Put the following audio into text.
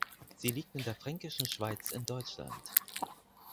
Sie liegt in der Fränkischen Schweiz in Deutschland.